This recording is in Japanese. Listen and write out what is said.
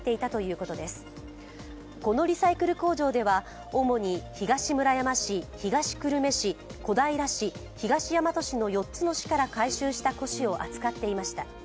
このリサイクル工場では、主に東村山市、東久留米市、小平市、東大和市の４つの市から回収した古紙を扱っていました。